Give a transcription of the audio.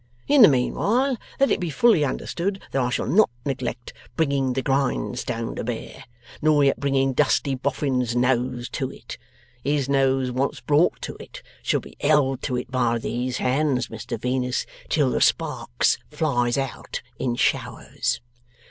In the meanwhile let it be fully understood that I shall not neglect bringing the grindstone to bear, nor yet bringing Dusty Boffin's nose to it. His nose once brought to it, shall be held to it by these hands, Mr Venus, till the sparks flies out in showers.